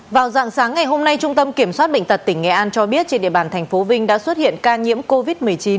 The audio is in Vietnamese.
vào dạng sáng ngày hôm nay trung tâm kiểm soát bệnh tật tỉnh nghệ an cho biết trên địa bàn tp vinh đã xuất hiện ca nhiễm covid một mươi chín